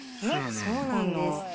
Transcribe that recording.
で、そうなんです。